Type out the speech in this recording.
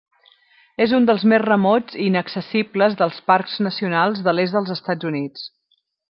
És un dels més remots i inaccessibles dels parcs nacionals de l'est dels Estats Units.